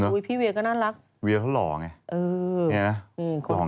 อุ๊ยพี่เวียก็น่ารักเวียก็เหล่าไงเห็นไหมเหล่าเหมือนกัน